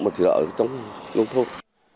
các là vận động luật thuộc